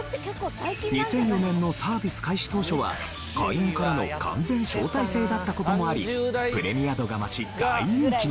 ２００４年のサービス開始当初は会員からの完全招待制だった事もありプレミア度が増し大人気に。